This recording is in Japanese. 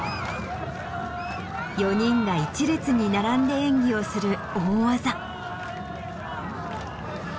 ４人が一列に並んで演技をする大技。